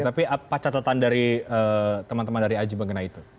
tapi apa catatan dari teman teman dari aji mengenai itu